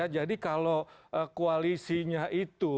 jadi kalau koalisinya itu